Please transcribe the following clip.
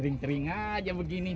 ngapain aja begini